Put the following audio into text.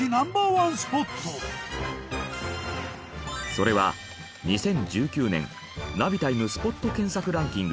それは２０１９年ナビタイムスポット検索ランキング